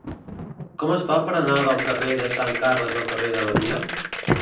Com es fa per anar del carrer de Sant Carles al carrer de Badia?